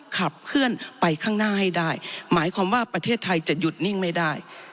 ขับเคลื่อนไปข้างหน้าให้ได้หมายความว่าประเทศไทยจะหยุดนิ่งไม่ได้